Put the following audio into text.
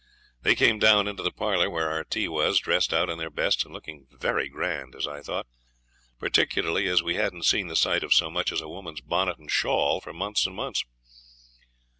They came down into the parlour where our tea was, dressed out in their best and looking very grand, as I thought, particularly as we hadn't seen the sight of so much as a woman's bonnet and shawl for months and months.